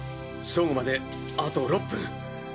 正午まであと６分。